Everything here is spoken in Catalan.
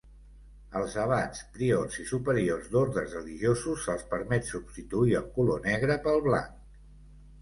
Als abats, priors i superiors d'ordes religiosos se'ls permet substituir el color negre pel blanc.